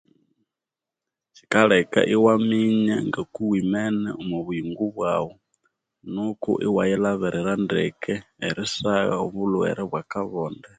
Kyikaleka iwaminya ngakughumene omwa buyingo bwaghu nuku iwa yilhabirira ndeke erisagha obulhwere bwa kabonde